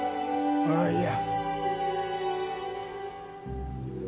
ああいや。